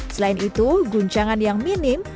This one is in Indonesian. selain itu guncangan yang minim